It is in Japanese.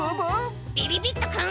びびびっとくん。